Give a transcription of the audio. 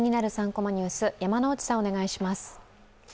３コマニュース」、山内さん、お願いします。